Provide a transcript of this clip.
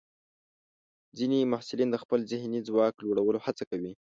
ځینې محصلین د خپل ذهني ځواک لوړولو هڅه کوي.